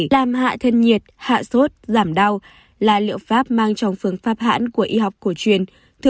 làm hạ thân nhiệt hạ sốt giảm đau là liệu pháp mang trong phương pháp hãng của y học cổ truyền thừa